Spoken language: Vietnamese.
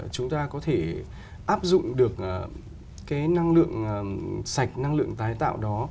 chúng ta có thể áp dụng được cái năng lượng sạch năng lượng tái tạo đó